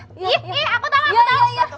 ih ih aku tahu aku tahu